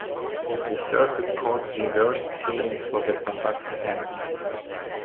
The Circuit Court reversed, ruling for the tobacco company.